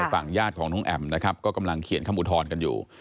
ฝั่งญาติของน้องแอ๋มนะครับก็กำลังเขียนคำอุทธรณ์กันอยู่